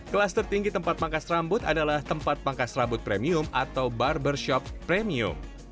kelas tertinggi tempat pangkas rambut adalah tempat pangkas rambut premium atau barbershop premium